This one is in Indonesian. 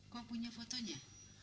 kau punya fotonya